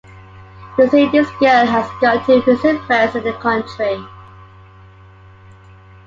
You say this girl has gone to visit friends in the country.